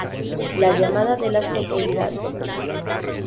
La llamada de las profundidades.